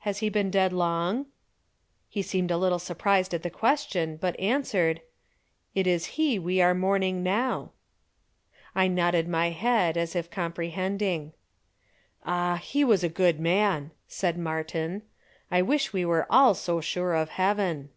"Has he been dead long?" He seemed a little surprised at the question, but answered: "It is he we are mourning now." I nodded my head, as if comprehending. "Ah, he was a good man," said Martin. "I wish we were all so sure of Heaven."